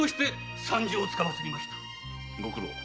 ご苦労。